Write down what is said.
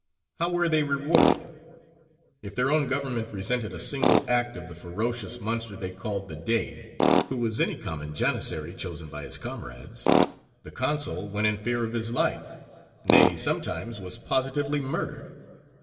How were they rewarded? If their own government resented a single act of the ferocious monster they called the Dey who was any common Janissary chosen by his comrades the consul went in fear of his life, nay, sometimes was positively murdered.